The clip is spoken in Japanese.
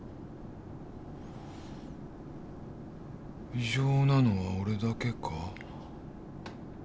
異常なのは俺だけか？